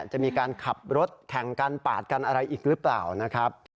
จะมีการขับรถแข่งกันปาดกันอะไรอีกหรือเปล่านะครับ